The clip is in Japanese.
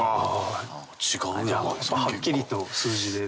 はっきりと数字で。